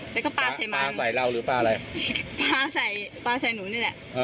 แล้วก็ปลาใส่มาปลาใส่เราหรือปลาอะไรปลาใส่ปลาใส่หนูนี่แหละ